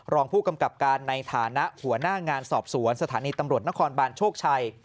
รองผู้กำกับการในฐานะหัวหน้างานสอบสวนสถานีตำรวจนครบานโชคชัย